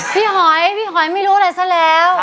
หอยพี่หอยไม่รู้อะไรซะแล้ว